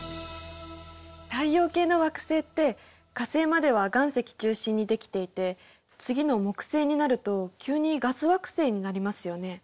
太陽系の惑星って火星までは岩石中心にできていて次の木星になると急にガス惑星になりますよね。